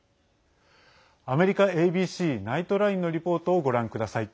アメリカＡＢＣナイトラインのリポートをご覧ください。